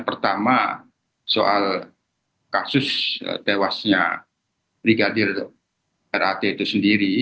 pertama soal kasus tewasnya brigadir rat itu sendiri